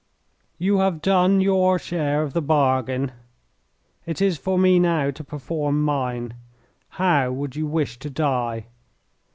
"You have done your share of the bargain; it is for me now to perform mine. How would you wish to die?